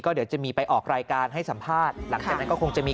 เดี๋ยวจะมีไปออกรายการให้สัมภาษณ์หลังจากนั้นก็คงจะมี